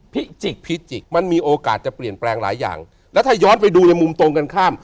พิจิกพิจิกมันมีโอกาสจะเปลี่ยนแปลงหลายอย่างแล้วถ้าย้อนไปดูในมุมตรงกันข้าม